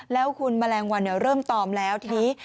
แล้วคุณแมลงวันเริ่มตอมแล้วทีนี้